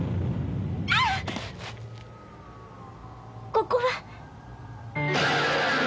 ここは？